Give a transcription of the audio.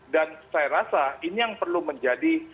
dan saya rasa ini yang perlu menjadi